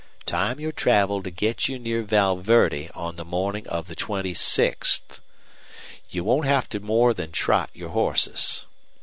Time your travel to get you near Val Verde on the morning of the twenty sixth. You won't have to more than trot your horses.